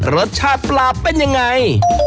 รสชาติปลาเป็นยังไง